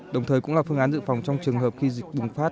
đồng thời cũng là phương án dự phòng trong trường hợp khi dịch bùng phát